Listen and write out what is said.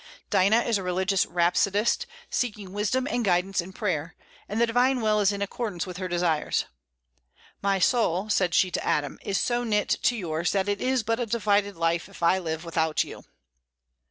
Dinah is a religious rhapsodist, seeking wisdom and guidance in prayer; and the divine will is in accordance with her desires. "My soul," said she to Adam, "is so knit to yours that it is but a divided life if I live without you."